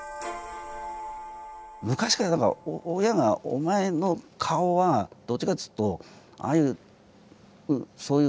昔からだから親が「お前の顔はどっちかっつうとああいうそういう」